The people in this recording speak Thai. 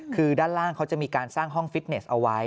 คือด้านล่างเขาจะมีการสร้างห้องฟิตเนสเอาไว้